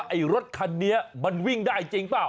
ไอ้รถคันนี้มันวิ่งได้จริงเปล่า